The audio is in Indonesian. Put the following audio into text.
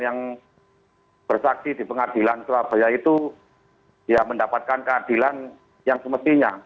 yang bersaksi di pengadilan surabaya itu ya mendapatkan keadilan yang semestinya